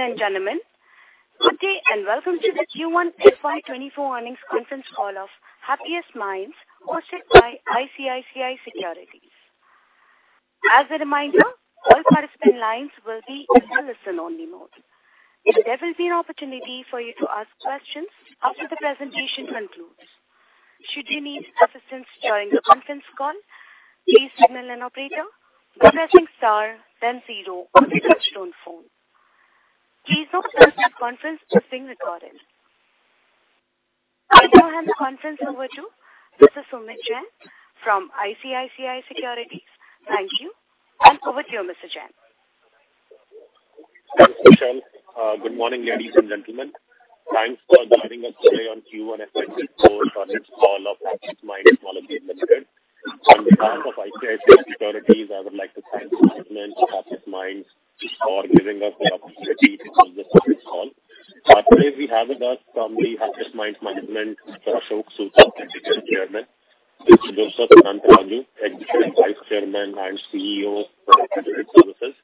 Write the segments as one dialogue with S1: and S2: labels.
S1: Ladies and gentlemen, good day, and welcome to the Q1 FY 2024 earnings conference call of Happiest Minds, hosted by ICICI Securities. As a reminder, all participant lines will be in listen-only mode. There will be an opportunity for you to ask questions after the presentation concludes. Should you need assistance during the conference call, please signal an operator by pressing star then zero on your touchtone phone. Please note that this conference is being recorded. I will now hand the conference over to Mr. Sumeet Jain from ICICI Securities. Thank you. Over to you, Mr. Jain.
S2: Thanks, Michelle. Good morning, ladies and gentlemen. Thanks for joining us today on Q1 FY 2024 earnings call of Happiest Minds Limited. On behalf of ICICI Securities, I would like to thank the management of Happiest Minds for giving us the opportunity to hold this earnings call. Today, we have with us from the Happiest Minds management, Mr. Ashok Soota, Executive Chairman; Mr. Joseph Anantharaju, Executive Vice Chairman and CEO for Digital Services;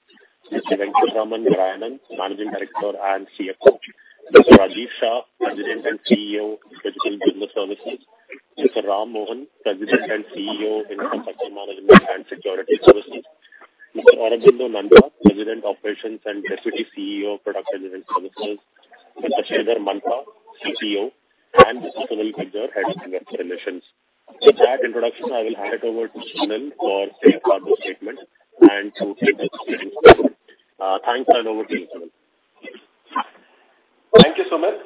S2: Mr. Venkatraman Narayanan, Managing Director and CFO; Mr. Rajiv Shah, President and CEO, Digital Business Services; Mr. Ram Mohan, President and CEO, Infrastructure Management and Security Services; Mr. Aurobinda Nanda, President, Operations and Deputy CEO, Product Engineering Services; Mr. Sridhar Mantha, CCO; and Mr. Sunil Gujjar, Head of Investor Relations. With that introduction, I will hand it over to Sunil for a safe harbor statement and to take us through. Thanks and over to you, Sunil.
S3: Thank you, Sumeet.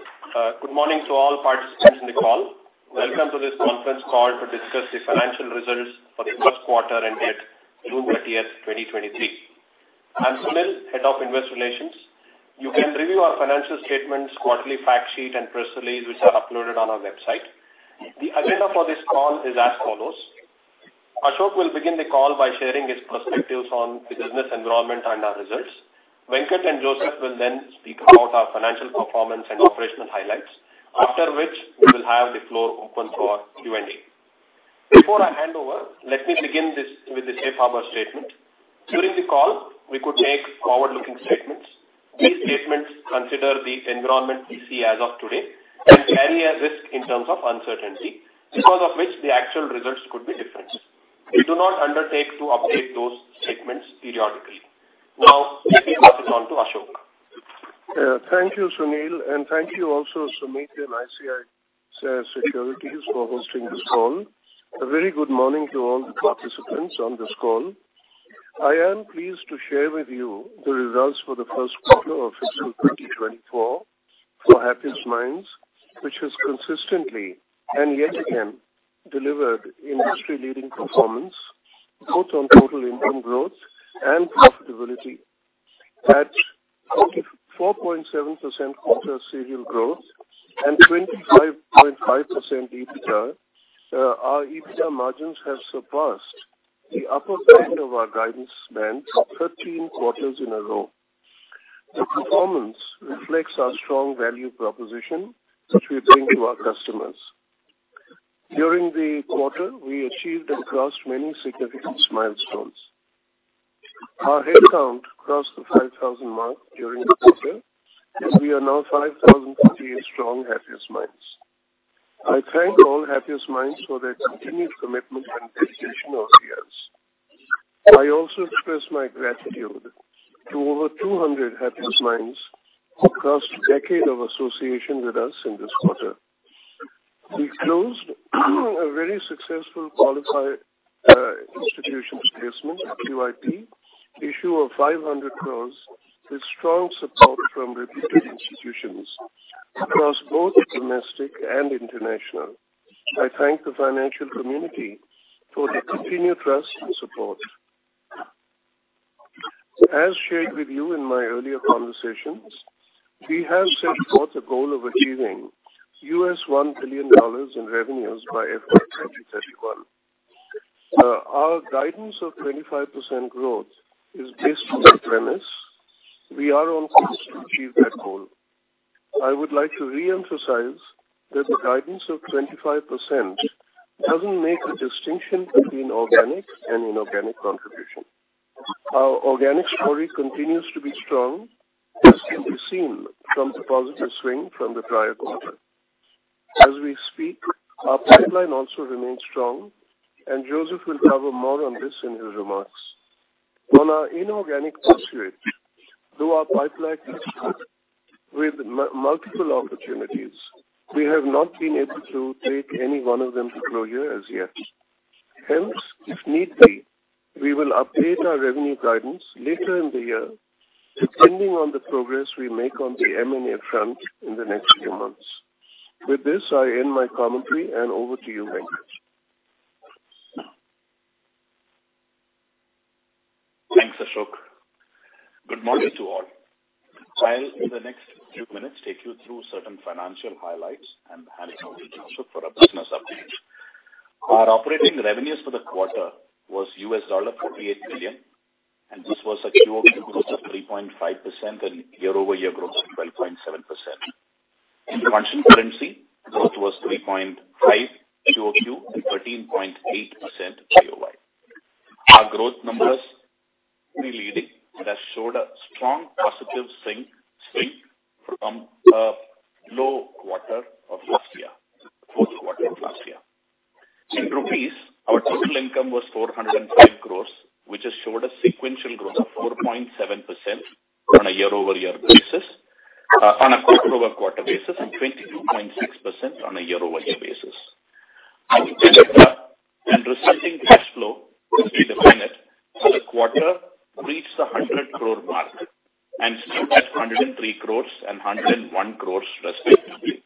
S3: Good morning to all participants in the call. Welcome to this conference call to discuss the financial results for the first quarter ended June 30, 2023. I'm Sunil, Head of Investor Relations. You can review our financial statements, quarterly fact sheet, and press release, which are uploaded on our website. The agenda for this call is as follows: Ashok will begin the call by sharing his perspectives on the business environment and our results. Venkat and Joseph will then speak about our financial performance and operational highlights, after which we will have the floor open for Q&A. Before I hand over, let me begin this with the safe harbor statement. During the call, we could make forward-looking statements. These statements consider the environment we see as of today and carry a risk in terms of uncertainty, because of which the actual results could be different. We do not undertake to update those statements periodically. Now, let me pass it on to Ashok.
S4: Thank you, Sunil, and thank you also, Sumeet and ICICI Securities for hosting this call. A very good morning to all the participants on this call. I am pleased to share with you the results for the first quarter of fiscal 2024 for Happiest Minds, which has consistently and yet again delivered industry-leading performance, both on total income growth and profitability. At 44.7% quarter serial growth and 25.5% EBITDA, our EBITDA margins have surpassed the upper end of our guidance band for 13 quarters in a row. The performance reflects our strong value proposition, which we bring to our customers. During the quarter, we achieved and crossed many significant milestones. Our headcount crossed the 5,000 mark during the quarter, and we are now 5,038 strong Happiest Minds. I thank all Happiest Minds for their continued commitment and dedication over the years. I also express my gratitude to over 200 Happiest Minds who crossed a decade of association with us in this quarter. We closed a very successful qualified institutions placement, QIP, issue of 500 crore, with strong support from reputed institutions across both domestic and international. I thank the financial community for their continued trust and support. As shared with you in my earlier conversations, we have set forth a goal of achieving $1 billion in revenues by FY 2031. Our guidance of 25% growth is based on the premise we are on course to achieve that goal. I would like to reemphasize that the guidance of 25% doesn't make a distinction between organic and inorganic contribution. Our organic story continues to be strong, as can be seen from the positive swing from the prior quarter. As we speak, our pipeline also remains strong, and Joseph will cover more on this in his remarks. On our inorganic pursuit, though our pipeline is good with multiple opportunities, we have not been able to take any one of them to closure as yet. Hence, if need be, we will update our revenue guidance later in the year, depending on the progress we make on the M&A front in the next few months. With this, I end my commentary. Over to you, Venkat.
S5: Thanks, Ashok. Good morning to all. I'll, in the next few minutes, take you through certain financial highlights and hand it over to Ashok for our business update. Our operating revenues for the quarter was $48 million, and this was a QoQ growth of 3.5% and year-over-year growth of 12.7%. In functional currency, growth was 3.5% QoQ and 13.8% YoY. Both numbers leading has showed a strong positive swing, swing from a low quarter of last year, fourth quarter of last year. In rupees, our total income was 405 crore, which has showed a sequential growth of 4.7% on a year-over-year basis, on a quarter-over-quarter basis, and 22.6% on a year-over-year basis. Our EBITDA and resulting cash flow as we define it, for the quarter reached a 100 crore mark and stood at 103 crore and 101 crore, respectively.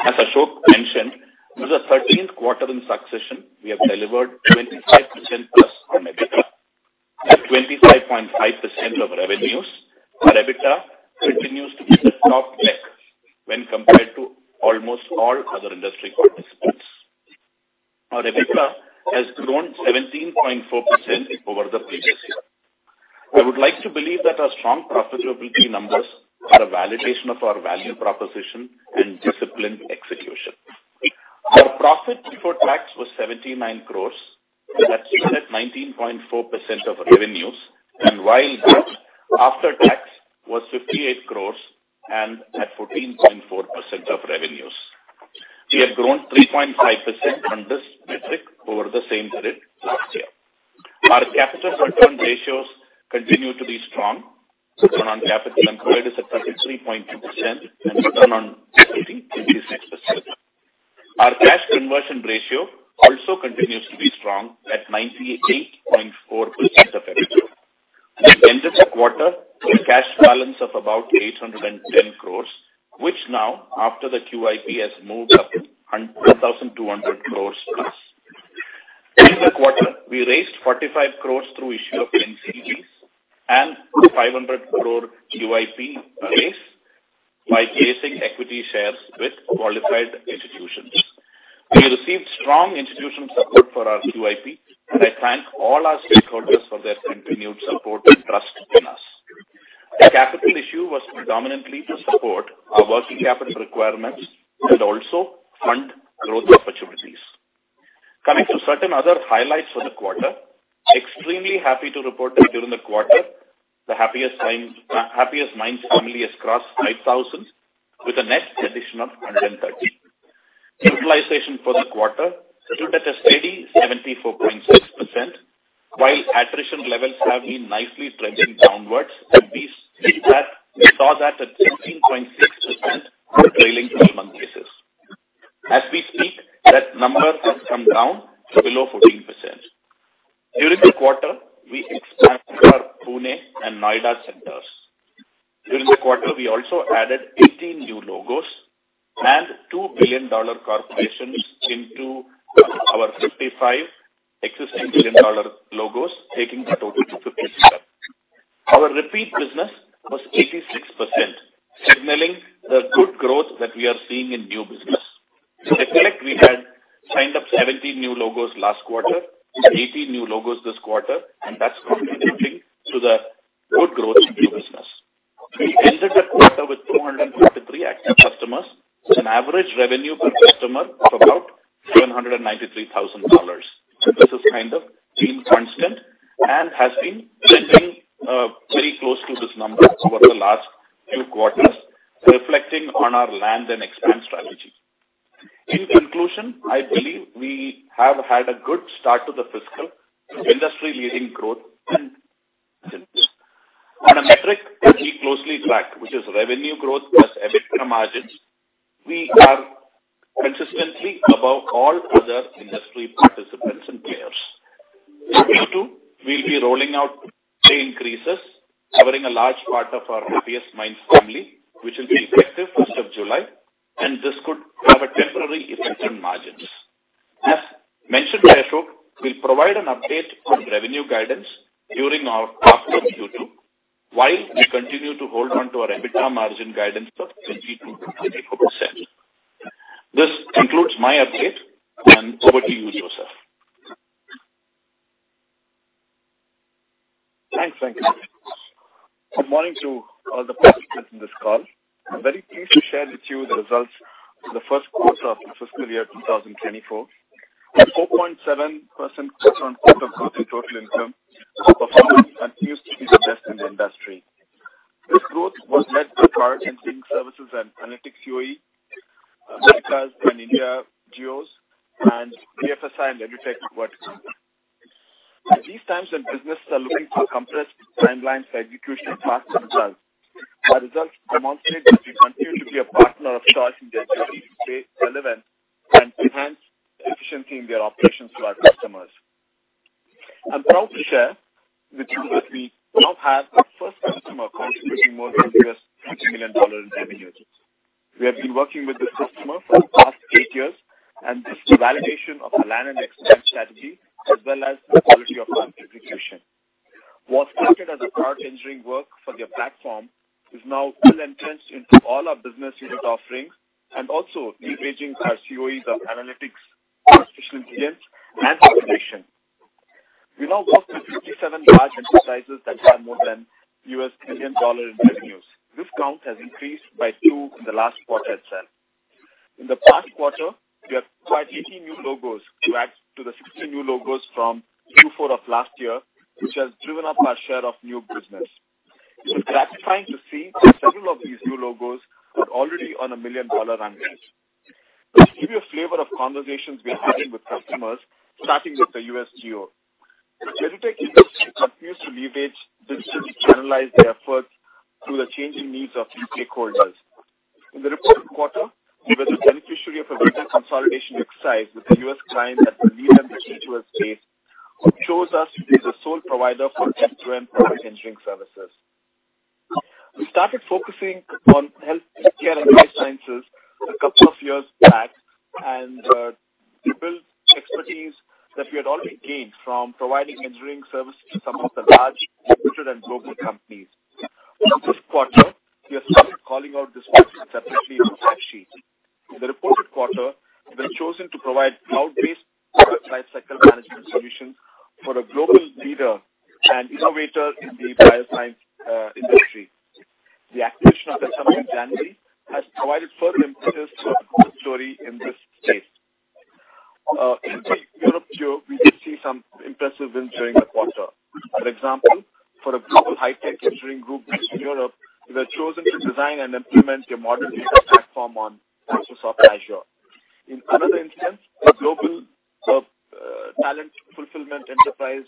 S5: As Ashok mentioned, it was the 13th quarter in succession we have delivered 25% plus on EBITDA. At 25.5% of revenues, our EBITDA continues to be the top deck when compared to almost all other industry participants. Our EBITDA has grown 17.4% over the previous year. I would like to believe that our strong profitability numbers are a validation of our value proposition and disciplined execution. Our profit before tax was 79 crores, which achieved at 19.4% of revenues, while after tax was 58 crores and at 14.4% of revenues. We have grown 3.5% on this metric over the same period last year. Our capital return ratios continue to be strong, return on capital employed is at 33.2% and return on equity, 36%. Our cash conversion ratio also continues to be strong at 98.4% of revenue. We ended the quarter with a cash balance of about 810 crores, which now, after the QIP, has moved up to 1,200 crores+. During the quarter, we raised 45 crore through issue of NCDs and 500 crore QIP case by placing equity shares with qualified institutions. We received strong institutional support for our QIP, and I thank all our stakeholders for their continued support and trust in us. The capital issue was predominantly to support our working capital requirements and also fund growth opportunities. Coming to certain other highlights for the quarter, extremely happy to report that during the quarter, the Happiest Minds family has crossed 5,000 with a net addition of 130. Utilization for the quarter stood at a steady 74.6%, while attrition levels have been nicely trending downwards, and we see that we saw that at 13.6% on a trailing twelve-month basis. As we speak, that number has come down to below 14%. During the quarter, we expanded our Pune and Noida centers. During the quarter, we also added 18 new logos and 2 billion-dollar corporations into our 55 existing billion-dollar logos, taking the total to 57. Our repeat business was 86%, signaling the good growth that we are seeing in new business. If I recall, we had signed up 17 new logos last quarter, 18 new logos this quarter, and that's contributing to the good growth in new business. We ended the quarter with 253 active customers, with an average revenue per customer of about $793,000. This is kind of been constant and has been trending very close to this number over the last few quarters, reflecting on our land and expand strategy. In conclusion, I believe we have had a good start to the fiscal industry-leading growth and... On a metric that we closely track, which is revenue growth plus EBITDA margins, we are consistently above all other industry participants and players. Q2, we'll be rolling out pay increases, covering a large part of our Happiest Minds family, which will be effective first of July. This could have a temporary effect on margins. As mentioned by Ashok, we'll provide an update on revenue guidance during our quarter Q2, while we continue to hold on to our EBITDA margin guidance of 20%-22%. This concludes my update. Over to you, Joseph.
S6: Thanks, Venkat. Good morning to all the participants in this call. I'm very pleased to share with you the results for the first quarter of the fiscal year, 2024. At 4.7% quarter-on-quarter growth in total income, performance continues to be the best in the industry. This growth was led by our engineering services and analytics CoE, Americas and India geos, and BFSI and EdTech verticals. At these times, when businesses are looking for compressed timelines for execution faster results, our results demonstrate that we continue to be a partner of choice in their journey to stay relevant and enhance efficiency in their operations to our customers. I'm proud to share with you that we now have our first customer contributing more than US $30 million in revenues. We have been working with this customer for the past eight years, and this is a validation of our land and expand strategy, as well as the quality of our execution. What started as a product engineering work for their platform is now well entrenched into all our business unit offerings and also leveraging our CoEs of analytics, artificial intelligence, and automation. We now work with 57 large enterprises that have more than $1 billion in revenues. This count has increased by two in the last quarter itself. In the past quarter, we have acquired 80 new logos to add to the 60 new logos from Q4 of last year, which has driven up our share of new business. It's gratifying to see several of these new logos are already on a million-dollar annual. To give you a flavor of conversations we are having with customers, starting with the US geo. Jeditech continues to leverage digitally channelized efforts through the changing needs of key stakeholders. In the reported quarter, we were the beneficiary of a major consolidation exercise with a U.S. client that space, who chose us to be the sole provider for end-to-end Product Engineering Services. We started focusing on healthcare and life sciences a couple of years back, and we built expertise that we had already gained from providing engineering services to some of the large corporate and global companies. In this quarter, we have started calling out this separately on the fact sheet. In the reported quarter, we were chosen to provide cloud-based lifecycle management solution for a global leader and innovator in the bioscience industry. The acquisition has provided further impetus to our growth story in this space. In the Europe geo, we did see some impressive wins during the quarter. For example, for a global high-tech engineering group based in Europe, we were chosen to design and implement their modern data platform on Microsoft Azure. In another instance, a global talent fulfillment enterprise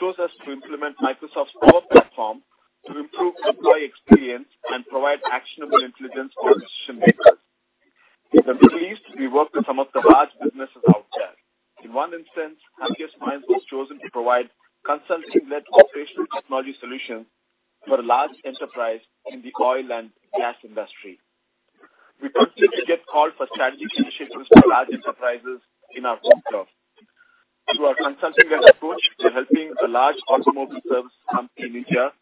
S6: chose us to implement Microsoft's Power Platform to improve employee experience and provide actionable intelligence for decision-makers. We are pleased to be working with some of the large businesses out there. In one instance, Happiest Minds was chosen to provide consulting-led operational technology solutions for a large enterprise in the oil and gas industry. We continue to get called for strategic initiatives from large enterprises in our backyard. Through our consulting-led approach, we are helping a large automobile service company in India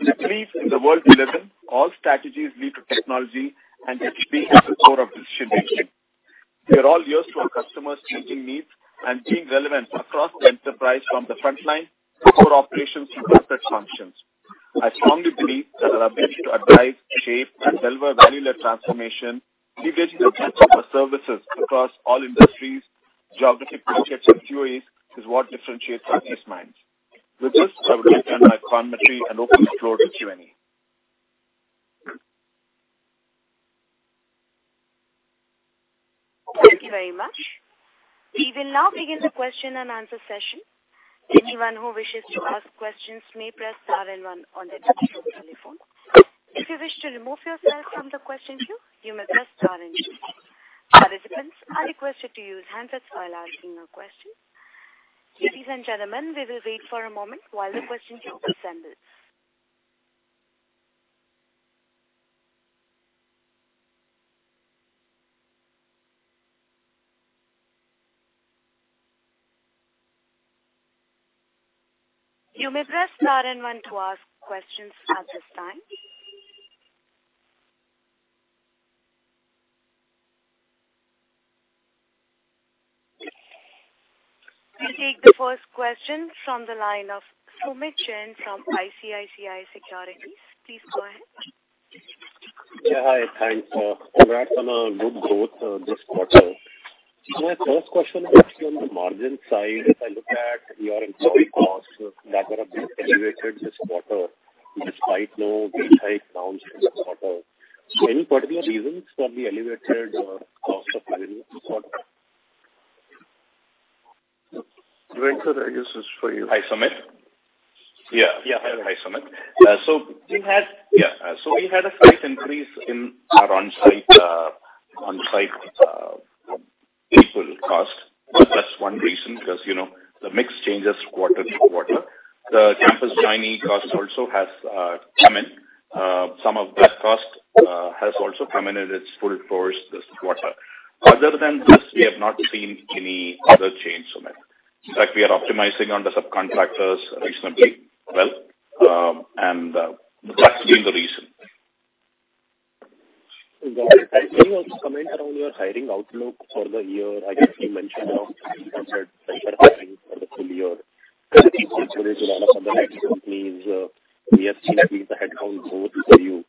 S6: We believe in the world we live in, all strategies lead to technology. Happiest Minds is the core of decision-making. We are all used to our customers' changing needs and being relevant across the enterprise, from the frontline to core operations to corporate functions. I strongly believe that our ability to advise, shape, and deliver value-led transformation, leveraging the depth of our services across all industries, geographic projects, and geos, is what differentiates Happiest Minds. With this, I will turn my commentary and open the floor to Q&A.
S1: Thank you very much. We will now begin the question-and-answer session. Anyone who wishes to ask questions may press star and one on their telephone. If you wish to remove yourself from the question queue, you may press star and two. Participants are requested to use handsets while asking a question. Ladies and gentlemen, we will wait for a moment while the question queue assembles. You may press star and one to ask questions at this time. We'll take the first question from the line of Sumeet Jain from ICICI Securities. Please go ahead.
S2: Yeah, hi. Thanks. Congrats on a good growth this quarter. My first question is on the margin side. If I look at your employee costs that are a bit elevated this quarter, despite no wage hike rounds this quarter, any particular reasons for the elevated cost of living this quarter?
S6: Venkat, I guess it's for you.
S5: Hi, Sumeet. Yeah, yeah. Hi, Sumeet. We had-- Yeah, we had a slight increase in our on-site, on-site, people cost. That's one reason, because, you know, the mix changes quarter to quarter. The campus joining cost also has come in. Some of that cost has also come in at its full force this quarter. Other than this, we have not seen any other change, Sumeet. In fact, we are optimizing on the subcontractors reasonably well, and that's been the reason.
S2: Can you also comment around your hiring outlook for the year? I guess you mentioned around 300 fresher hiring for the full year. The headcount both for you.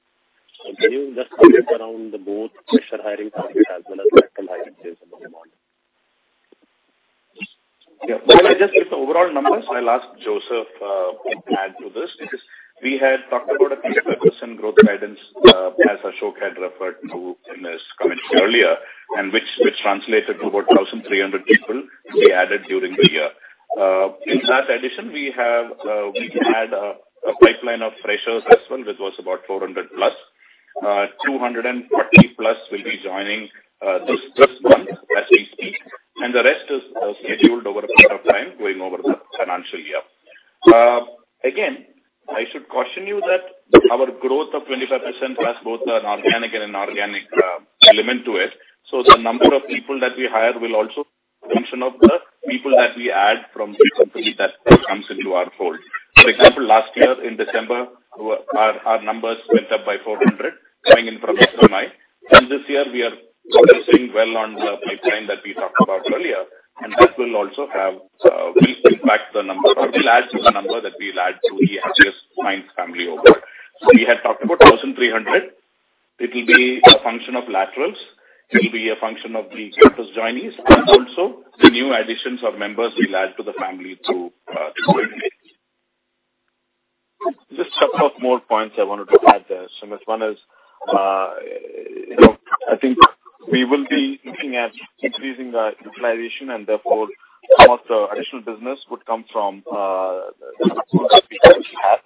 S2: Can you just comment around the both fresher hiring target as well as lateral hiring plans in the morning?
S5: Yeah. Can I just give the overall numbers? I'll ask Joseph to add to this. We had talked about a 25% growth guidance, as Ashok had referred to in his comments earlier, and which translated to about 1,300 people we added during the year. In that addition, we have we've had a pipeline of freshers as well, which was about 400+. 240+ will be joining this month as we speak, and the rest is scheduled over a period of time going over the financial year. Again, I should caution you that our growth of 25% has both an organic and inorganic element to it. The number of people that we hire will also function of the people that we add from the company that comes into our fold. For example, last year in December, our numbers went up by 400, coming in from SMI. This year we are focusing well on the pipeline that we talked about earlier, and this will also have will impact the number or will add to the number that we will add to the Happiest Minds family over. We had talked about 1,300. It will be a function of laterals, it will be a function of the campus joinees, and also the new additions of members we'll add to the family through M&A.
S6: Just a couple of more points I wanted to add there, Sumeet. One is, you know, I think we will be looking at increasing the utilization, and therefore, some of the additional business would come from the people we have.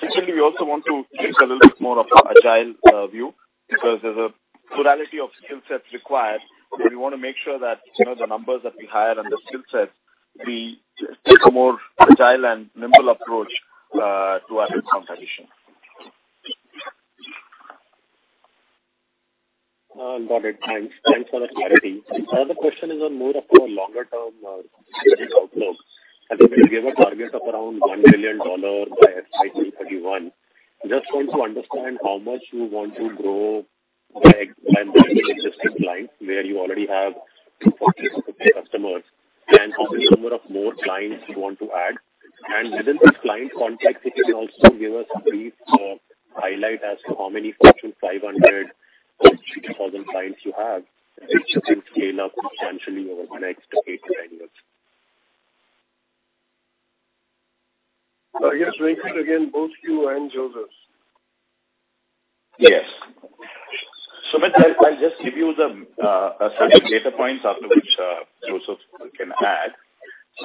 S6: Secondly, we also want to take a little bit more of an agile view, because there's a plurality of skill sets required, and we want to make sure that, you know, the numbers that we hire and the skill sets, we take a more agile and nimble approach to our headcount addition.
S2: Got it. Thanks. Thanks for the clarity. Another question is on more of your longer term outlook. I think you gave a target of around $1 billion by FY 2031. Just want to understand how much you want to grow by, by buying existing clients, where you already have 40 customers, and how many number of more clients you want to add. Within this client context, if you also give us a brief highlight as to how many Fortune 500-2000 clients you have, which you can scale up substantially over the next eight-10 years.
S4: I guess, Venkat, again, both you and Joseph.
S5: Yes. Sumeet, I'll, I'll just give you the certain data points after which Joseph can add.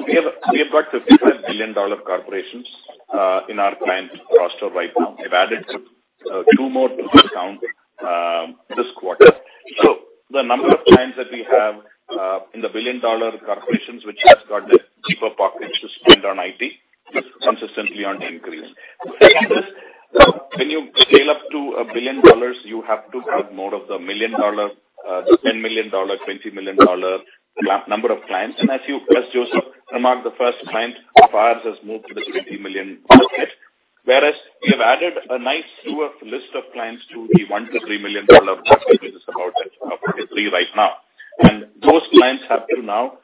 S5: We have, we have got 55 billion-dollar corporations in our client roster right now. We've added two more to this count this quarter. The number of clients that we have in the billion-dollar corporations, which has got the deeper pockets to spend on IT, is consistently on the increase. Second is, when you scale up to $1 billion, you have to have more of the million dollar, 10 million dollar, 20 million dollar number of clients. As Joseph remarked, the first client of ours has moved to the $50 million bucket. Whereas we have added a nice slew of list of clients to the $1 million-3 million, which is about 43 right now. Those clients have to now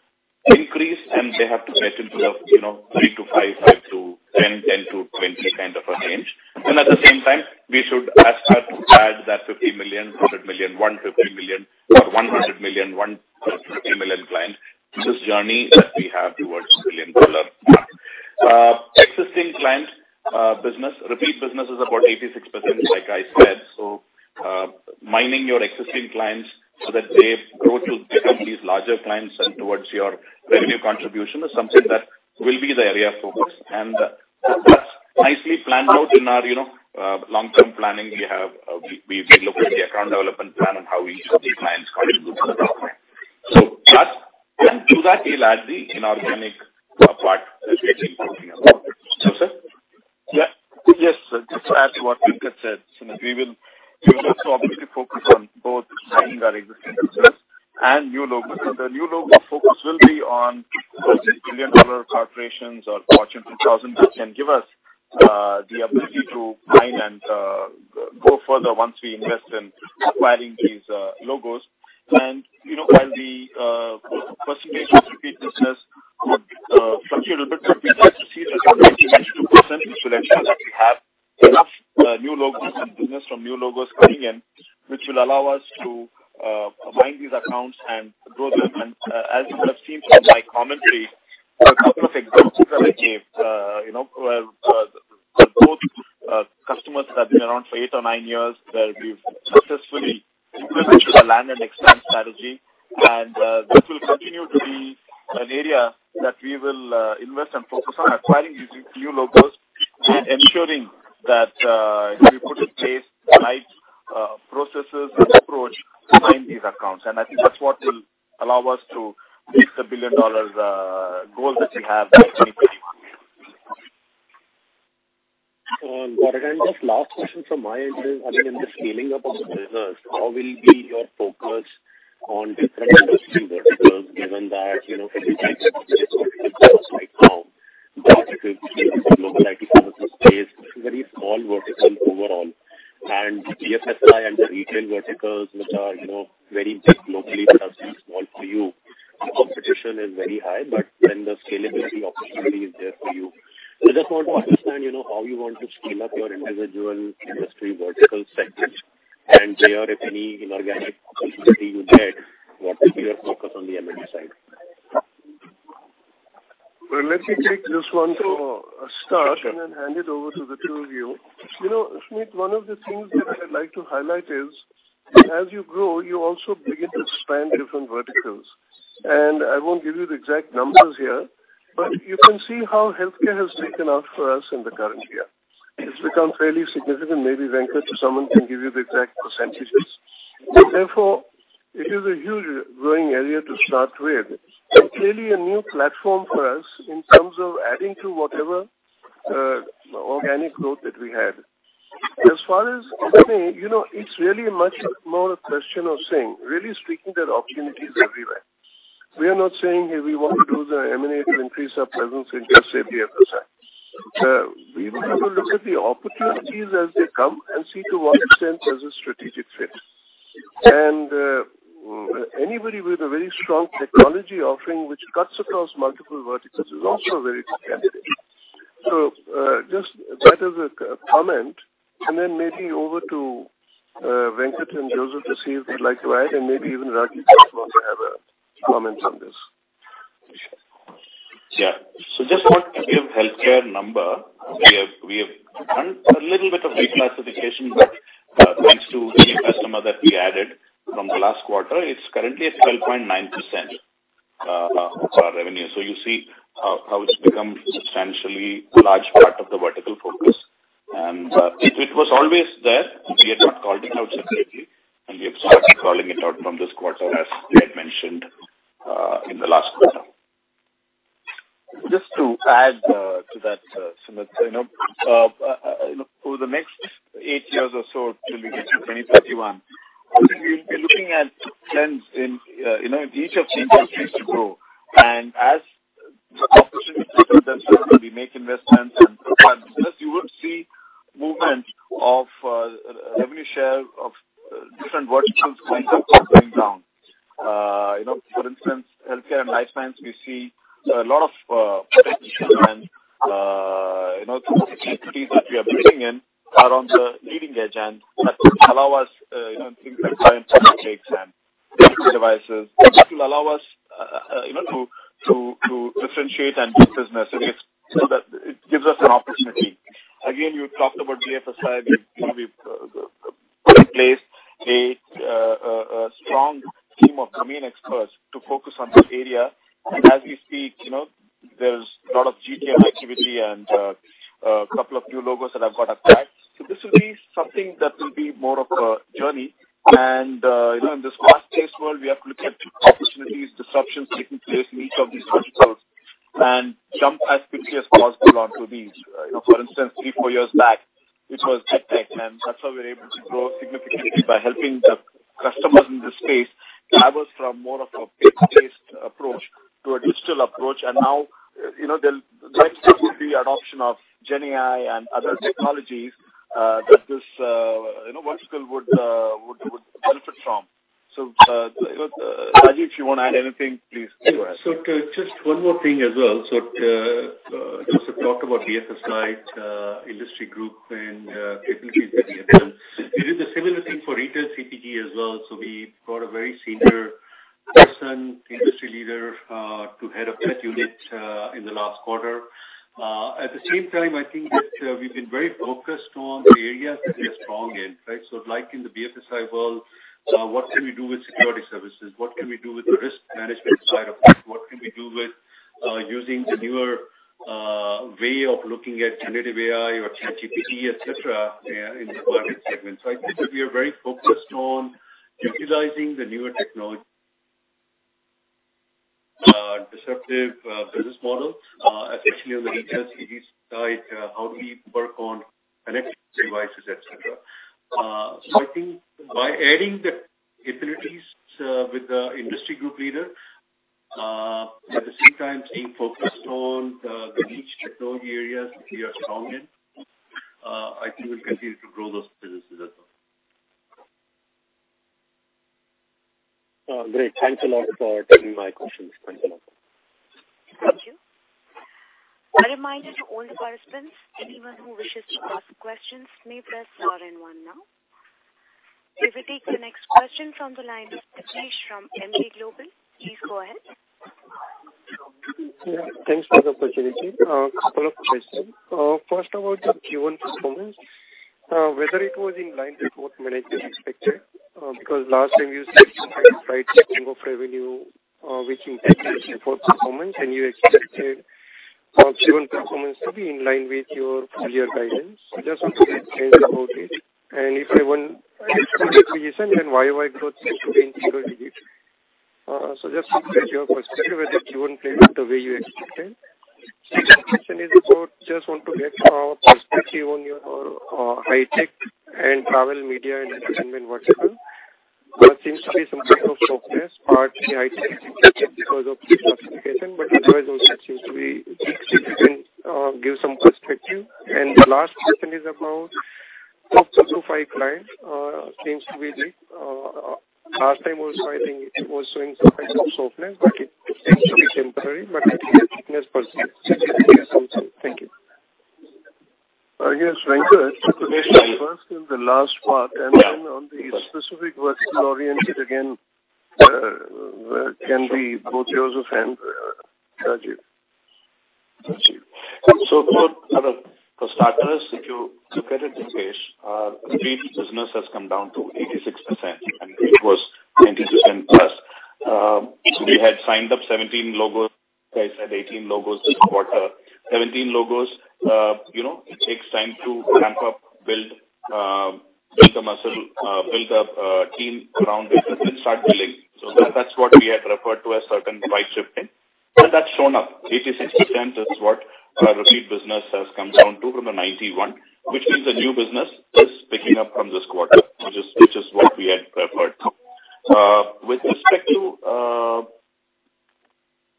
S5: increase, and they have to get into the, you know, 3 to 5, 5 to 10, 10 to 20 kind of a range. At the same time, we should also add that $50 million, 100 million, $150 million, or 100 million, 150 million clients to this journey that we have towards billion-dollar. Existing client, business, repeat business is about 86%, like I said. Mining your existing clients so that they grow to become these larger clients and towards your revenue contribution is something that will be the area of focus. That's nicely planned out in our, you know, long-term planning. We have, we, we look at the account development plan and how each of these clients contribute to the problem. Plus, and to that, we'll add the inorganic part that we have been talking about. Joseph?
S6: Yeah. Yes, just to add to what Venkat said, Sumeet, we will also obviously focus on both signing our existing business and new logos. The new logo focus will be on billion-dollar corporations or Fortune 2000, which can give us the ability to mine and go further once we invest in acquiring these logos. You know, and the percentage of repeat business would fluctuate a little bit, but we'd like to see the 92%. This will ensure that we have enough new logos and business from new logos coming in, which will allow us to mine these accounts and grow them. As you would have seen from my commentary, a couple of examples that I gave, you know. customers that have been around for eight or nine years, where we've successfully implemented our land and expand strategy. This will continue to be an area that we will invest and focus on acquiring these new logos and ensuring that we put in place the right processes and approach to sign these accounts. I think that's what will allow us to reach the billion-dollars goal that we have by 2031.
S2: just last question from my end is, I mean, in the scaling up of business, how will be your focus on different industry verticals, given that, you know, right now, the global IT services space is a very small vertical overall, and BFSI and the Retail verticals, which are, you know, very big locally, but are still small for you, the competition is very high, but then the scalability opportunity is there for you. I just want to understand, you know, how you want to scale up your individual industry vertical sectors. JR, if any inorganic opportunity you get, what would be your focus on the M&A side?
S4: Well, let me take this one for a start.
S2: Sure.
S4: Hand it over to the two of you. You know, Sumeet, one of the things that I'd like to highlight is, as you grow, you also begin to span different verticals. I won't give you the exact numbers here, but you can see how healthcare has taken off for us in the current year. It's become fairly significant. Maybe Venkat or someone can give you the exact percentages. It is a huge growing area to start with and clearly a new platform for us in terms of adding to whatever organic growth that we had. As far as M&A, you know, it's really much more a question of saying, really speaking, there are opportunities everywhere. We are not saying here we want to do the M&A to increase our presence in BFSI. We will have a look at the opportunities as they come and see to what extent there's a strategic fit. Anybody with a very strong technology offering, which cuts across multiple verticals, is also a very good candidate. Just that as a comment, and then maybe over to Venkat and Joseph to see if they'd like to add, and maybe even Rajeev might want to have a comments on this.
S5: Yeah. Just want to give healthcare number. We have, we have done a little bit of reclassification, but, thanks to a new customer that we added from the last quarter, it's currently at 12.9% of our revenue. You see how it's become a substantially large part of the vertical focus. It was always there. We had not called it out separately, and we have started calling it out from this quarter, as we had mentioned in the last quarter.
S6: Just to add to that, Sumeet, you know, over the next eight years or so, till we get to 2031, we'll be looking at trends in, you know, each of the industries to grow. As the opportunity, we make investments. Plus, you would see movement of revenue share of different verticals going up and going down. You know, for instance, healthcare and life science, we see a lot of, and, you know, the capabilities that we are bringing in are on the leading edge and allow us, you know, impact time takes and devices. That will allow us, you know, to, to, to differentiate and build business. That it gives us an opportunity. Again, you talked about BFSI. We've, we've, placed a, a, a strong team of domain experts to focus on that area. As we speak, you know, there's a lot of GTM activity and a couple of new logos that I've got attached. This will be something that will be more of a journey. You know, in this fast-paced world, we have to look at opportunities, disruptions taking place in each of these verticals and jump as quickly as possible onto these. You know, for instance, three, four years back, it was Chip Tech, and that's how we were able to grow significantly by helping the customers in this space lever from more of a page-based approach to a digital approach. Now, you know, the next would be adoption of GenAI and other technologies, that this, you know, vertical would, would, would benefit from. Rajeev, if you want to add anything, please?
S7: Just one more thing as well. Joseph talked about BFSI industry group and capabilities. We did a similar thing for Retail CPG as well. We brought a very senior person, industry leader, to head up that unit in the last quarter. At the same time, I think that we've been very focused on the areas that we are strong in, right? Like in the BFSI world, what can we do with security services? What can we do with the risk management side of things? What can we do with using the newer way of looking at Generative AI or ChatGPT, et cetera, in the private segment? I think that we are very focused on utilizing the newer technology, disruptive, business model, especially on the Retail CPG side, how we work on connected devices, et cetera. I think by adding the capabilities, with the industry group leader, at the same time, staying focused on the niche technology areas we are strong in, I think we'll continue to grow those businesses as well.
S2: Great. Thanks a lot for taking my questions. Thanks a lot.
S1: Thank you. A reminder to all the correspondents, anyone who wishes to ask questions may press star one now. We will take the next question from the line of Dipesh from Emkay Global Please go ahead.
S8: Yeah, thanks for the opportunity. A couple of questions. First about the Q1 performance, whether it was in line with what management expected, because last time you said you had right shifting of revenue, which impacted fourth performance, and you expected Q1 performance to be in line with your full year guidance. Just want to get clarity about it. If I want then why year-over-year growth is in single digit? Just your perspective, whether Q1 played out the way you expected. Second question is about, just want to get perspective on your high-tech and travel, media, and entertainment vertical. There seems to be some kind of softness, partly high-tech because of the classification, but otherwise also seems to be. Give some perspective. The last question is about top two to five clients, seems to be weak. Last time also, I think it was showing some kind of softness, but it seems to be temporary, but I think the weakness persists. Thank you.
S4: Yes, Venkat. First and the last part, and then on the specific vertical oriented, again, can be both Joseph and, Rajiv.
S5: For, for starters, if you look at it, Dipesh, repeat business has come down to 86%, and it was 90%+. We had signed up 17 logos, I said 18 logos this quarter. 17 logos, you know, it takes time to ramp up, build, build the muscle, build up a team around it and start building. So that, that's what we had referred to as certain right shifting, and that's shown up. 86% is what our repeat business has come down to from the 91, which means the new business is picking up from this quarter, which is, which is what we had referred to. With respect to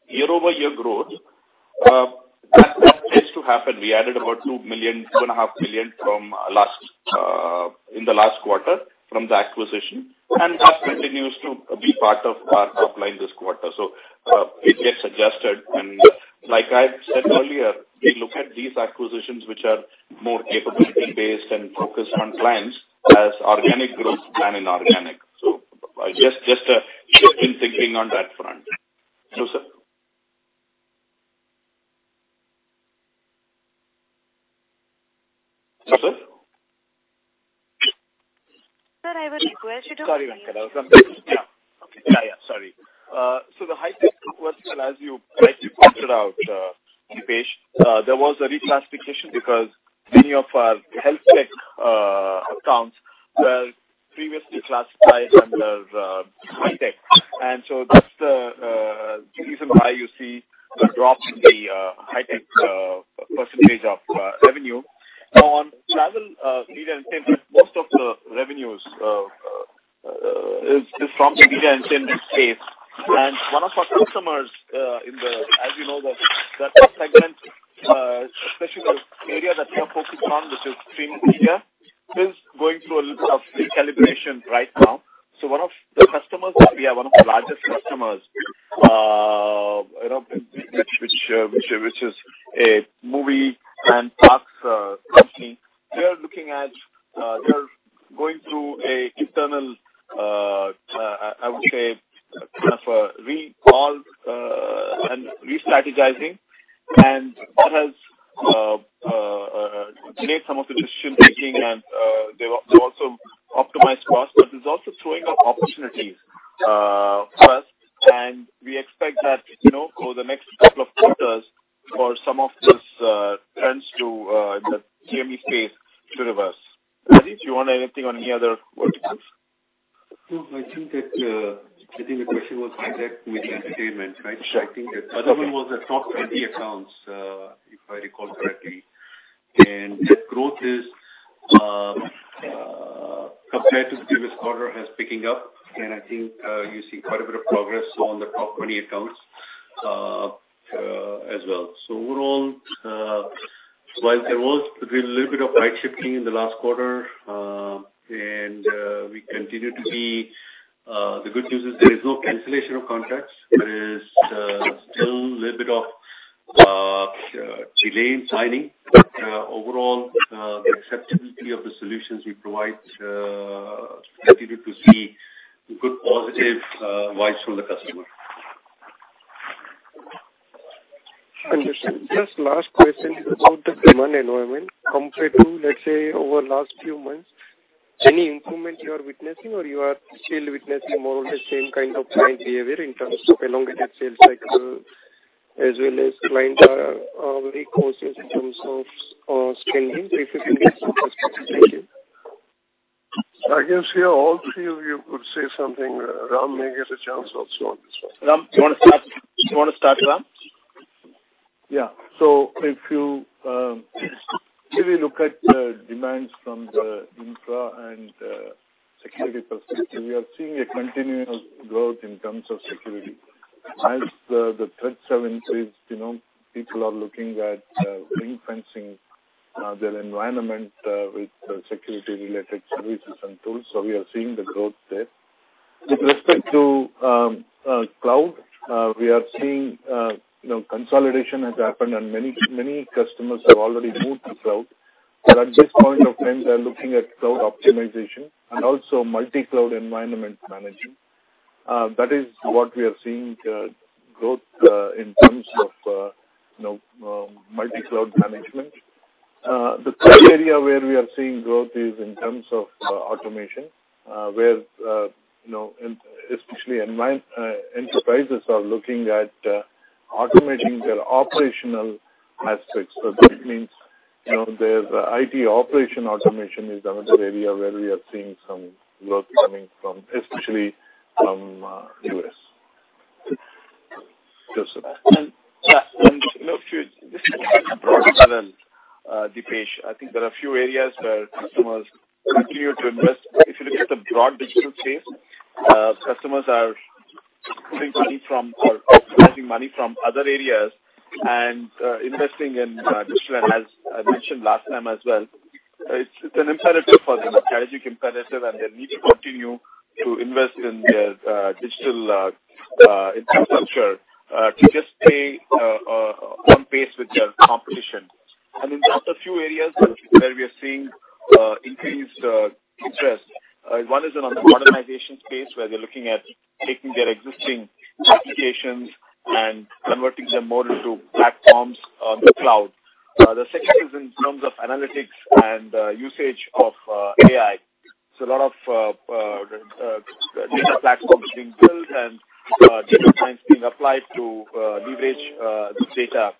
S5: year-over-year growth, that tends to happen. We added about 2 million, 2.5 million from last in the last quarter from the acquisition. That continues to be part of our top line this quarter. It gets adjusted. Like I said earlier, we look at these acquisitions, which are more capability-based and focused on clients as organic growth than inorganic. Just, just, shift in thinking on that front. Sir. Sir?
S1: Sir, I have a request.
S6: Sorry, Venkat. Yeah. Okay. Yeah, yeah, sorry. So the high-tech vertical, as you, as you pointed out, Dipesh, there was a reclassification because many of our health tech accounts were previously classified under high-tech. So that's the reason why you see the drop in the high-tech percentage of revenue. On travel, media, and entertainment, most of the revenues is from the media and entertainment space. One of our customers in the As you know, that segment, especially the area that we are focused on, which is streaming media, is going through a little of recalibration right now. One of the customers that we have, one of the largest customers, you know, which, which is a movie and parks company, they are looking at, they are going through an internal, I would say, kind of a recall and re-strategizing. That has delayed some of the decision making, and they've, they've also optimized costs, but it's also throwing up opportunities for us. We expect that, you know, over the next couple of quarters for some of this trends to in the TME space to reverse. Rajiv, do you want anything on any other verticals?
S7: No, I think that, I think the question was high-tech, media, entertainment, right?
S6: Sure.
S7: I think that other one was the top 20 accounts, if I recall correctly. The growth is, compared to the previous quarter, has picking up, and I think you see quite a bit of progress on the top 20 accounts as well. Overall, while there was a little bit of right shifting in the last quarter, we continue to be, the good news is there is no cancellation of contracts. There is still a little bit of delay in signing. Overall, the acceptability of the solutions we provide, continue to see good, positive vibes from the customer.
S8: Understood. Just last question is about the demand environment. Compared to, let's say, over the last few months, any improvement you are witnessing or you are still witnessing more of the same kind of client behavior in terms of elongated sales cycle, as well as clients are very cautious in terms of spending efficiently?
S4: I guess here, all three of you could say something. Ram may get a chance also on this one.
S6: Ram, you want to start? You want to start, Ram?
S9: Yeah. If you really look at the demands from the infra and security perspective, we are seeing a continuous growth in terms of security. As the threats have increased, you know, people are looking at ring-fencing their environment with security-related services and tools, so we are seeing the growth there. With respect to cloud, we are seeing, you know, consolidation has happened, and many, many customers have already moved to cloud. At this point of time, they are looking at cloud optimization and also multi-cloud environment management. That is what we are seeing, growth in terms of, you know, multi-cloud management. The third area where we are seeing growth is in terms of automation, where, you know, and especially enterprises are looking at automating their operational aspects. So that means, you know, their IT operation automation is another area where we are seeing some work coming from, especially from U.S.
S7: Joseph?
S6: Yeah, and, you know, a few broad panel, Dipesh. I think there are a few areas where customers continue to invest. If you look at the broad digital space, customers are putting money from or investing money from other areas and investing in digital. As I mentioned last time as well, it's, it's an imperative for them, a strategic imperative, and they need to continue to invest in their digital infrastructure to just stay on pace with their competition. In fact, a few areas where we are seeing increased interest. One is on the modernization space, where they're looking at taking their existing applications and converting them more to platforms on the cloud. The second is in terms of analytics and usage of AI. A lot of data platforms being built and data science being applied to leverage this data.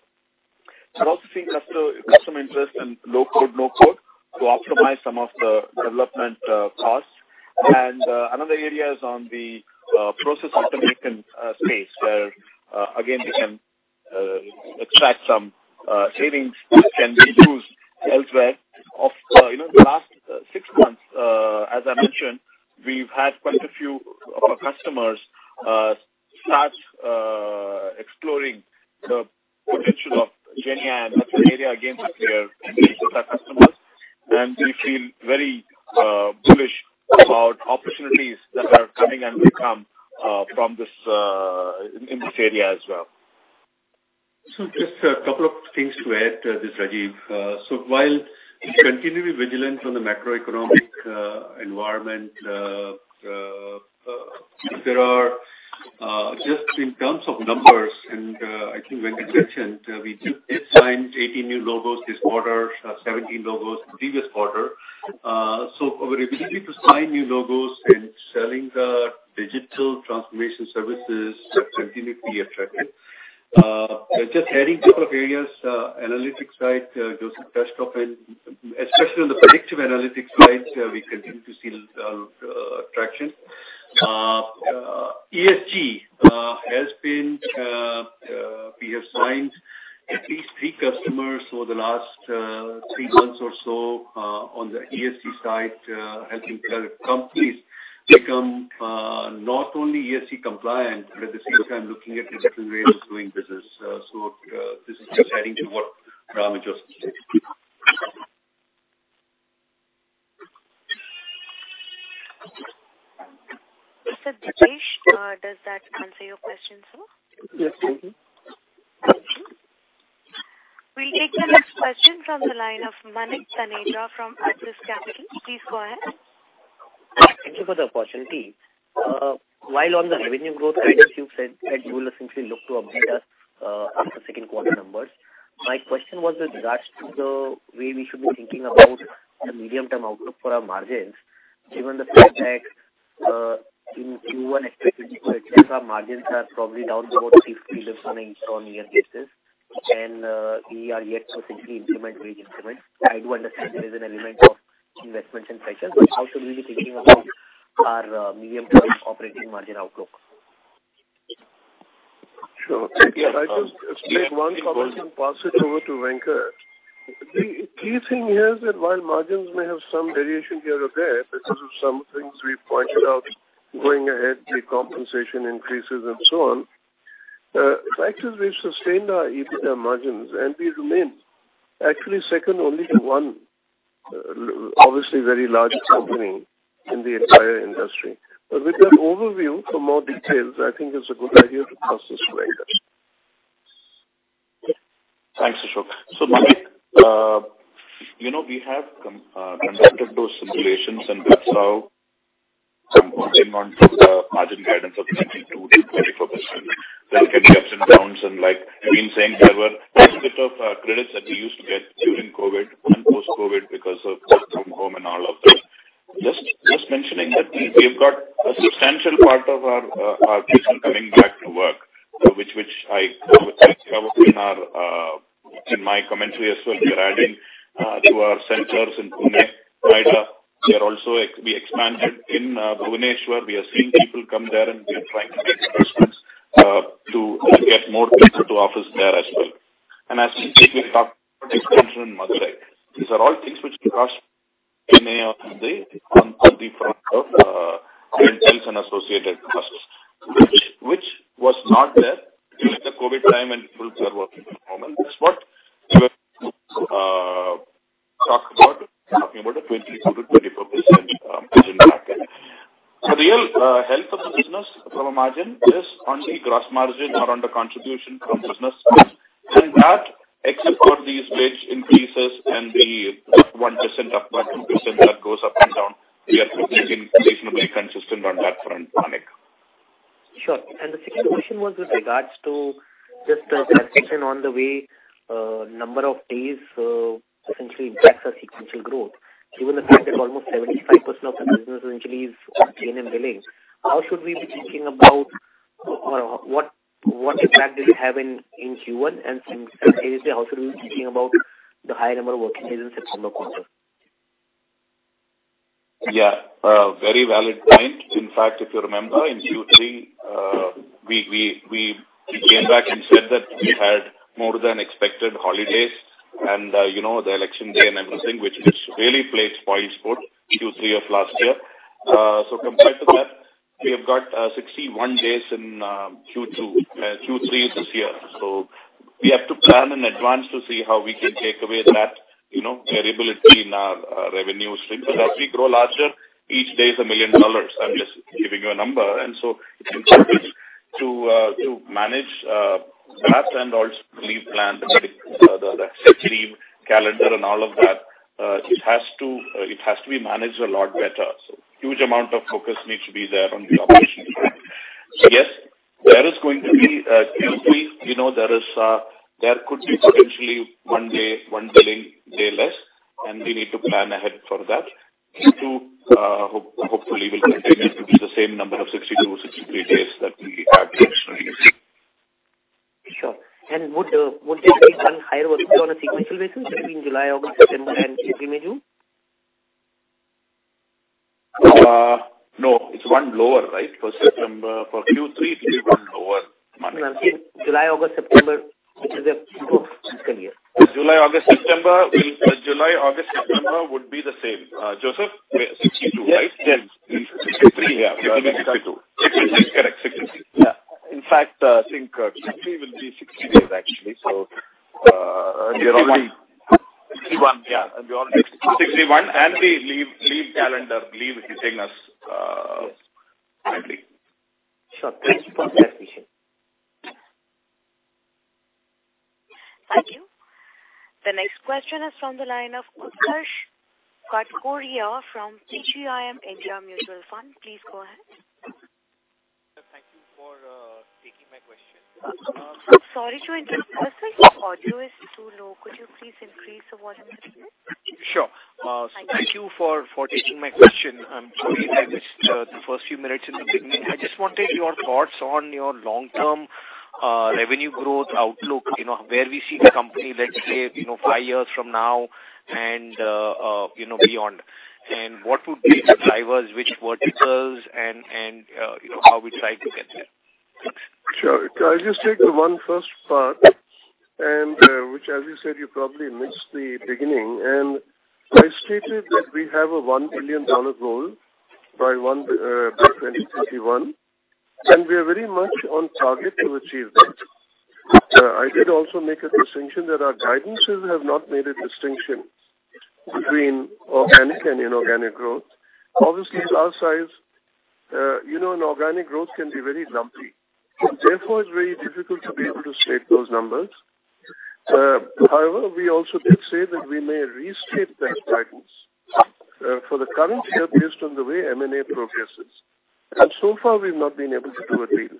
S6: We're also seeing customer, customer interest in low code/no code to optimize some of the development costs. Another area is on the process automation space, where again, they can extract some savings which can be used elsewhere. Of, you know, the last 6 months, as I mentioned, we've had quite a few of our customers start exploring the potential of GenAI. That's an area, again, with their customers, and we feel very bullish about opportunities that are coming and will come from this in this area as well.
S7: Just a couple of things to add. This is Rajeev. While we continue to be vigilant on the macroeconomic environment, there are just in terms of numbers, and I think when we mentioned, we did sign 18 new logos this quarter, 17 logos the previous quarter. Our ability to sign new logos and selling the digital transformation services continue to be attractive. Just adding couple of areas, analytics side, Joseph touched off, and especially on the predictive analytics side, we continue to see traction. ESG has been, we have signed at least three customers over the last three months or so, on the ESG side, helping companies become not only ESG compliant, but at the same time looking at different ways of doing business. This is just adding to what Ram and Joseph said.
S1: Dipesh, does that answer your question, sir?
S10: Yes, thank you.
S1: We'll take the next question from the line of Manik Taneja from Axis Capital. Please go ahead.
S11: Thank you for the opportunity. While on the revenue growth side, as you said, that you will essentially look to update us after second quarter numbers. My question was with regards to the way we should be thinking about the medium-term outlook for our margins, given the fact that in Q1 2024, et cetera, margins are probably down about 50 basis points on year-on-year basis, and we are yet to simply implement wage increments. I do understand there is an element of investments in pressure, but how should we be thinking about our medium-term operating margin outlook?
S9: Sure. I just make one comment and pass it over to Venkat. The key thing here is that while margins may have some variation here or there, because of some things we've pointed out going ahead, the compensation increases and so on, the fact is we've sustained our EBITDA margins, and we remain actually second only to one, obviously very large company in the entire industry. With that overview, for more details, I think it's a good idea to pass this to Venkat.
S6: Thanks, Ashok. Manik, you know, we have conducted those simulations, and that's how some 10 months of the margin guidance of 22%-24%. There will be ups and downs, and like Naveen saying, there were quite a bit of credits that we used to get during COVID and post-COVID because of work from home and all of this. Just, just mentioning that we've got a substantial part of our business coming back to work, which, which I, which I covered in our, in my commentary as well. We are adding to our centers in Pune, Noida. We are also we expanded in Bhubaneswar. We are seeing people come there, and we are trying to make investments to get more people to office there as well. As we talk about expansion in Madurai. These are all things which cost M&A on the front of rent and associated costs, which was not there during the COVID time, and people were working from home. That's what we talked about, talking about a 22%-24% margin.
S4: The real health of the business from a margin is on the gross margin or on the contribution from business. That except for these wage increases and the 1% up or 2% that goes up and down, we are looking reasonably consistent on that front, Manik.
S11: Sure. The second question was with regards to just a reflection on the way number of days essentially impacts our sequential growth, given the fact that almost 75% of the business actually is on chain and billing. How should we be thinking about, or what, what impact does it have in, in Q1? Since then, how should we be thinking about the higher number of working days in September quarter?
S4: Yeah, very valid point. In fact, if you remember, in Q3, we, we, we came back and said that we had more than expected holidays and, you know, the election day and everything, which, which really played spoilsport Q3 of last year. So compared to that, we have got 61 days in Q2... Q3 this year. So we have to plan in advance to see how we can take away that, you know, variability in our revenue stream. Because as we grow larger, each day is $1 million. I'm just giving you a number. And so in order to manage that and also leave plans, the, the extreme calendar and all of that, it has to, it has to be managed a lot better. Huge amount of focus needs to be there on the operations front. Yes, there is going to be, Q3, you know, there is, there could be potentially 1 day, 1 billing day less, and we need to plan ahead for that. Q2, hopefully will continue to be the same number of 62, 63 days that we had traditionally seen.
S11: Sure. Would there be some higher working on a sequential basis between July, August, September, and June?
S4: No, it's 1 lower, right? For September, for Q3, it's 1 lower, Manik.
S11: July, August, September, which is the growth calendar year.
S4: July, August, September will... July, August, September would be the same. Joseph, 62, right?
S6: Yes, yes. 63, yeah.
S4: 62. 66, correct. 66.
S6: Yeah. In fact, I think, Q3 will be 60 days, actually. So, we are only-
S4: Sixty-one.
S6: 61, yeah.
S4: 61, and the leave, leave calendar leave is hitting us currently.
S11: Sure. Thank you for that, Vishal.
S1: Thank you. The next question is from the line of Utkarsh Katkoria from PGIM India Mutual Fund. Please go ahead.
S12: Thank you for taking my question.
S1: I'm sorry to interrupt. Utkarsh, your audio is too low. Could you please increase the volume a little bit?
S12: Sure. Thank you for, for taking my question. I'm sorry if I missed the first few minutes in the beginning. I just wanted your thoughts on your long-term revenue growth outlook, you know, where we see the company, let's say, you know, 5 years from now and, you know, beyond. What would be the drivers, which verticals and, you know, how we try to get there?
S4: Sure. Can I just take the one first part, which, as you said, you probably missed the beginning, and I stated that we have a $1 billion goal by 2031, and we are very much on target to achieve that. I did also make a distinction that our guidances have not made a distinction between organic and inorganic growth. Obviously, it's our size. You know, an organic growth can be very lumpy, therefore, it's very difficult to be able to state those numbers. However, we also did say that we may restate that guidance for the current year based on the way M&A progresses, and so far, we've not been able to do a deal.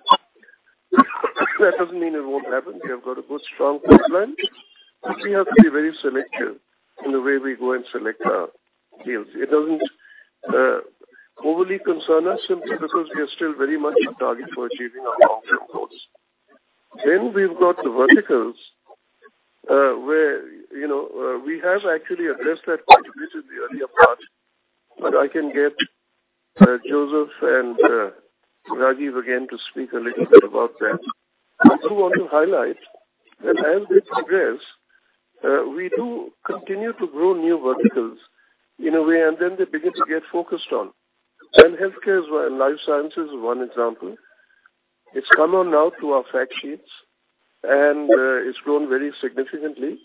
S4: That doesn't mean it won't happen. We have got a good, strong pipeline, but we have to be very selective in the way we go and select our deals. It doesn't overly concern us simply because we are still very much on target for achieving our long-term goals. We've got the verticals, where, you know, we have actually addressed that point a bit in the earlier part, but I can get Joseph and Rajiv again to speak a little bit about that. I do want to highlight that as we progress, we do continue to grow new verticals in a way, and then they begin to get focused on. Healthcare is where. Life sciences is one example. It's come on now to our fact sheets, and, it's grown very significantly.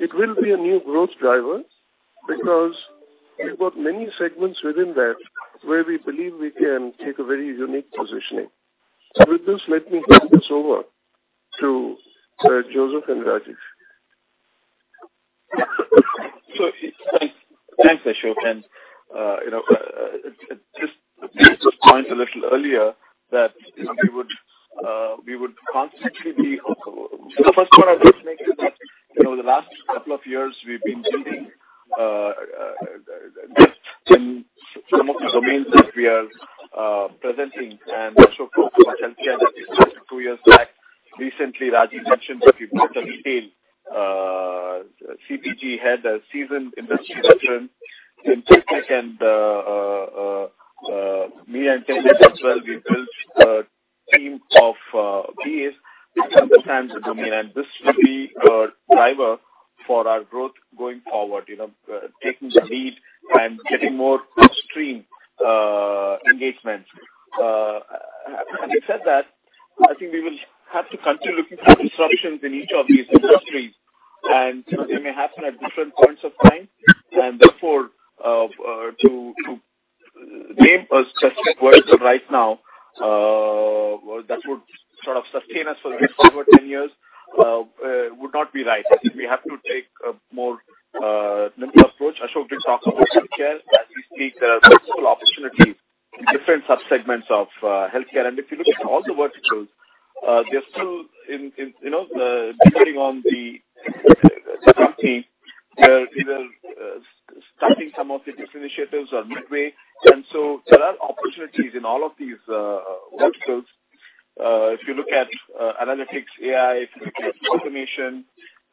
S4: It will be a new growth driver because we've got many segments within that, where we believe we can take a very unique positioning. With this, let me hand this over to Joseph and Rajiv.
S6: Thanks, Ashok, and, you know, just to point a little earlier that, you know, we would, we would constantly be... The first point I want to make is that, you know, the last couple of years, we've been building, in some of the domains that we are presenting and also focus on healthcare two years back. Recently, Rajiv Shah mentioned that we brought a Retail CPG head, a seasoned industry veteran in tech deck, and me and as well, we built a team of BAs who understands the domain, and this will be a driver for our growth going forward, you know, taking the lead and getting more stream engagement. Having said that, I think we will have to continue looking for disruptions in each of these industries. They may happen at different points of time. Therefore, to, to name a specific vertical right now, well, that would sort of sustain us for the next 10 years, would not be right. I think we have to take a more nimble approach. Ashok did talk about healthcare. As we speak, there are several opportunities in different subsegments of healthcare. If you look at all the verticals, they're still in, in, you know, depending on the certainty, they're either starting some of the different initiatives or midway. So there are opportunities in all of these verticals. If you look at analytics, AI, if you look at automation,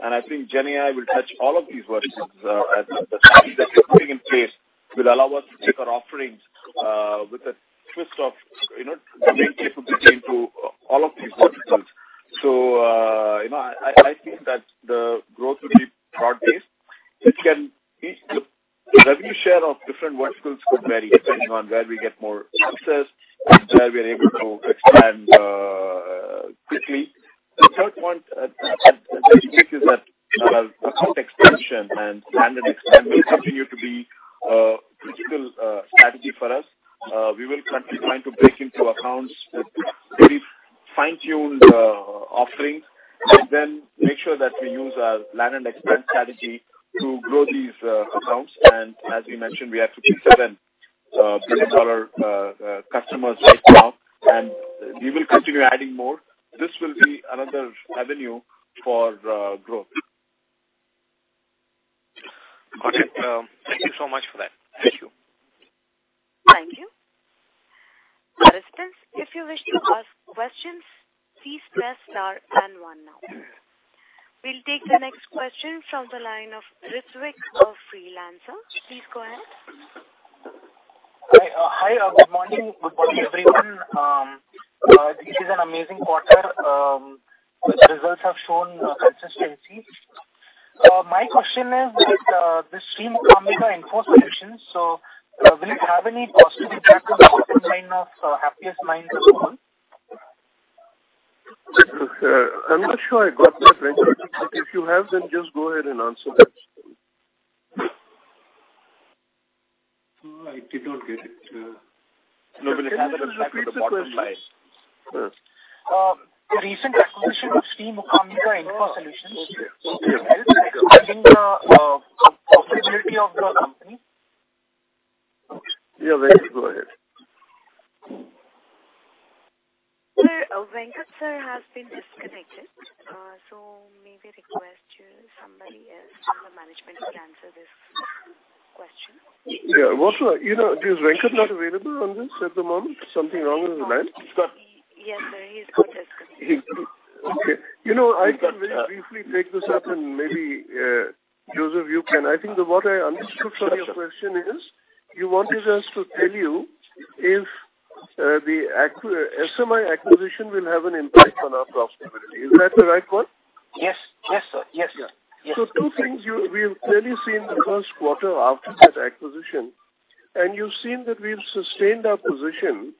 S6: and I think GenAI will touch all of these verticals. The strategies that we're putting in place will allow us to take our
S5: No, I did not get it.
S4: No, it happens at the bottom line.
S13: The recent acquisition of Sri Mookambika Infosolutions.
S4: Okay.
S13: adding the profitability of the company.
S4: Yeah, Venkat, go ahead.
S1: Sir, Venkat, sir, has been disconnected. Maybe request you somebody else from the management to answer this question.
S4: Yeah. Also, you know, is Venkat not available on this at the moment? Something wrong with the line?
S1: Yes, sir, he is not disconnected.
S4: Okay. You know, I can very briefly take this up, and maybe, Joseph, you can. I think that what I understood from your question is, you wanted us to tell you if the SMI acquisition will have an impact on our profitability. Is that the right one?
S13: Yes. Yes, sir. Yes.
S4: Yeah. Two things. You-- We've clearly seen the first quarter after that acquisition, and you've seen that we've sustained our position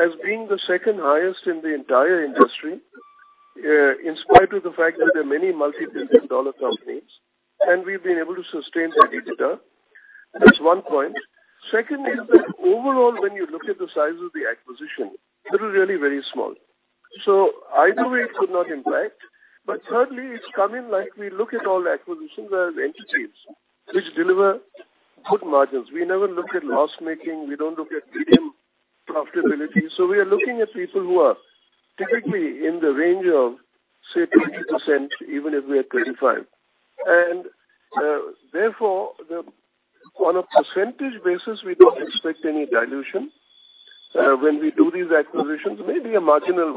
S4: as being the second highest in the entire industry, in spite of the fact that there are many $ multi-billion companies, and we've been able to sustain that data. That's one point. Second is that overall, when you look at the size of the acquisition, this is really very small, either way, it could not impact. Thirdly, it's coming like we look at all acquisitions as entities which deliver good margins. We never look at loss-making. We don't look at medium profitability. We are looking at people who are typically in the range of, say, 20%, even if we are 25%. Therefore, the, on a percentage basis, we don't expect any dilution. When we do these acquisitions, maybe a marginal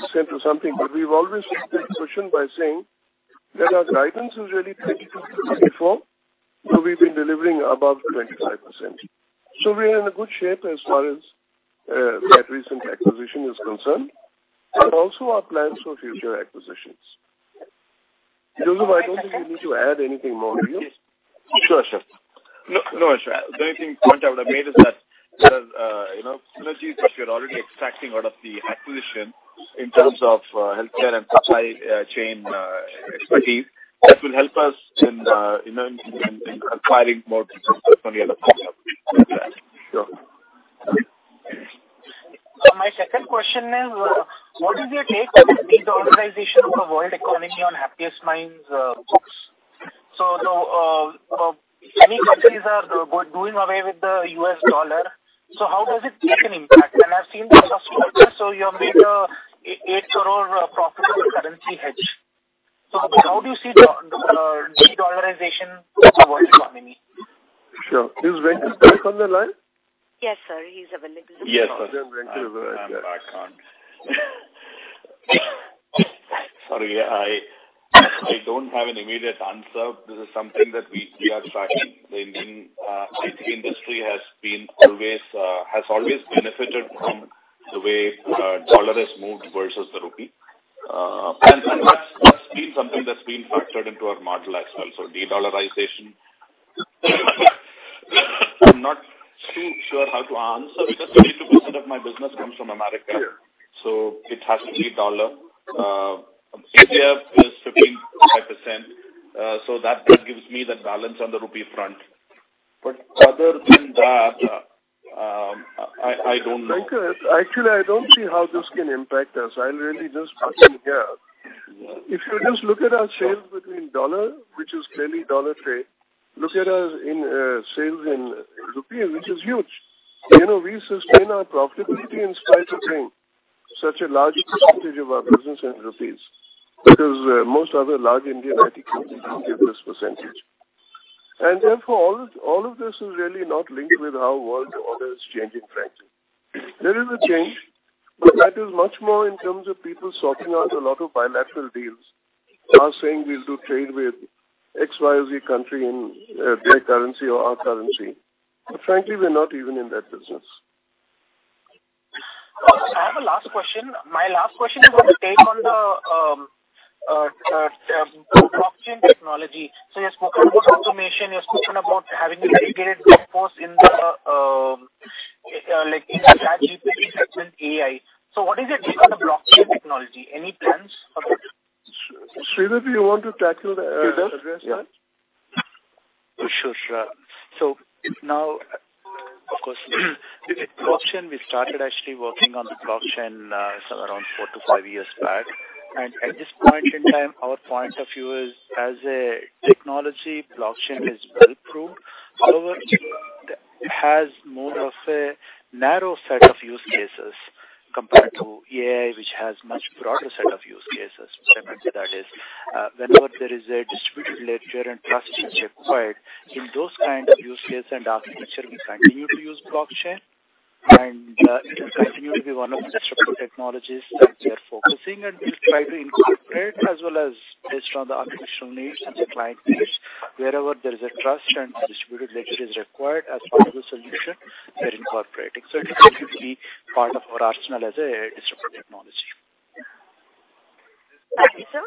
S4: 1% or something, but we've always taken position by saying that our guidance is really 20-24%, so we've been delivering above 25%. So we are in a good shape as far as that recent acquisition is concerned, and also our plans for future acquisitions. Joseph, I don't think you need to add anything more, do you?
S6: Sure, Ashok. No, no, Ashok. The only thing point I would have made is that, you know, synergies, which we are already extracting out of the acquisition in terms of, healthcare and supply, chain, expertise, that will help us in, in, in acquiring more business from the other side.
S13: My second question is: What is your take on the de-dollarization of the world economy on Happiest Minds books? The many countries are doing away with the US dollar. How does it make an impact? I've seen the subscriber, you have made a INR 8 crore profitable currency hedge. How do you see the de-dollarization of the world economy?
S4: Sure. Is Venkat back on the line?
S1: Yes, sir, he's available.
S6: Yes.
S4: Venkat is back.
S5: I'm back on. Sorry, I, I don't have an immediate answer. This is something that we, we are tracking. The Indian IT industry has always benefited from the way dollar has moved versus the rupee. That's, that's been something that's been factored into our model as well. De-dollarization- I'm not too sure how to answer because 32% of my business comes from America, so it has to be dollar. is 15.5%, so that, that gives me the balance on the rupee front. Other than that, I, I don't know.
S4: Venkat, actually, I don't see how this can impact us. I really just put in here. If you just look at our sales between U.S. dollar, which is clearly U.S. dollar trade, look at us in sales in Indian Rupee, which is huge. You know, we sustain our profitability in spite of having such a large percentage of our business in Indian Rupees, because most other large Indian IT companies don't get this percentage. Therefore, all, all of this is really not linked with how world order is changing, frankly. There is a change, but that is much more in terms of people sorting out a lot of bilateral deals, are saying we'll do trade with X, Y, or Z country in their currency or our currency. Frankly, we're not even in that business.
S13: I have a last question. My last question is about the take on the blockchain technology. You've spoken about automation, you've spoken about having a regulated workforce in the like in the segment AI. What is your take on the blockchain technology? Any plans about it?
S4: Sridhar, do you want to tackle?
S14: Yeah. Sure, sure. Now, of course, blockchain, we started actually working on the blockchain, around 4-5 years back. At this point in time, our point of view is, as a technology, blockchain is well-proven. However, it has more of a narrow set of use cases compared to AI, which has much broader set of use cases. That is, whenever there is a distributed ledger and trust is required, in those kind of use cases and architecture, we continue to use blockchain, and it will continue to be one of the disruptive technologies that we are focusing on and we'll try to incorporate, as well as based on the artificial needs and the client needs. Wherever there is a trust and distributed ledger is required as part of the solution we're incorporating. It will continue to be part of our arsenal as a disruptive technology.
S1: Thank you, sir.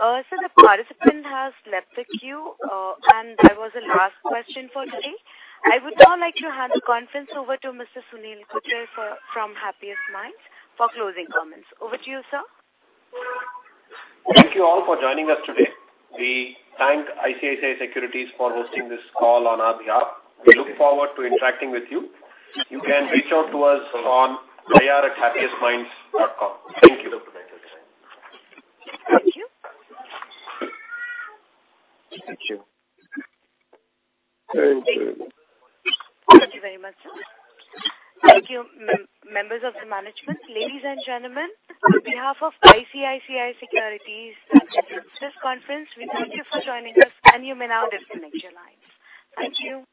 S1: Sir, the participant has left the queue, that was the last question for today. I would now like to hand the conference over to Mr. Sunil Gujjar for, from Happiest Minds, for closing comments. Over to you, sir.
S3: Thank you all for joining us today. We thank ICICI Securities for hosting this call on our behalf. We look forward to interacting with you. You can reach out to us on ir@happiestminds.com. Thank you.
S1: Thank you.
S14: Thank you.
S4: Thank you.
S1: Thank you very much, sir. Thank you, members of the management. Ladies and gentlemen, on behalf of ICICI Securities, this conference, we thank you for joining us, and you may now disconnect your lines. Thank you.